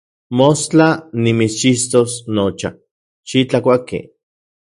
Mostla nimitschixtos nocha, xitlakuaki.